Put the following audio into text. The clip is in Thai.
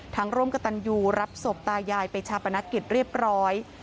ร่วมกับตันยูรับศพตายายไปชาปนกิจเรียบร้อย